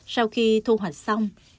sau khi thu hoạch xong